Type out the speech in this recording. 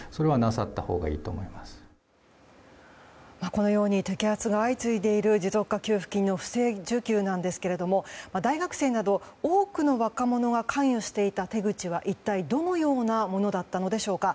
このように摘発が相次いでいる持続化給付金の不正受給ですが大学生など多くの若者が関与していた手口は一体どのようなものだったのでしょうか。